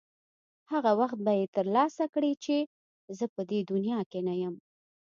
هغه وخت یې ترلاسه کړې چې زه به په دې دنیا کې نه یم.